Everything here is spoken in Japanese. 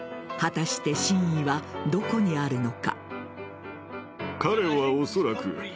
果たして真意はどこにあるのか。